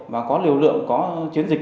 và có liều lượng có chiến thắng